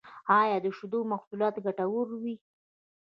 ایا د شیدو محصولات ګټور وی؟